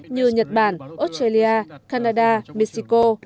như nhật bản australia canada mexico